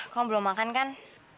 kamu belum makan kan